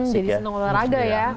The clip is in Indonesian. jadi seneng olahraga ya